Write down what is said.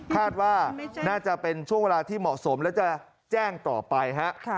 คาดว่าน่าจะเป็นช่วงเวลาที่เหมาะสมแล้วจะแจ้งต่อไปฮะ